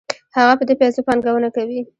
هغه په دې پیسو پانګونه کوي